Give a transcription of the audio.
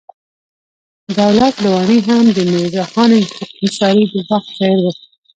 دولت لواڼی هم د میرزا خان انصاري د وخت شاعر و.